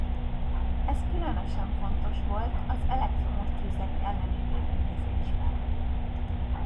Ez különösen fontos volt az elektromos tüzek elleni védekezésben.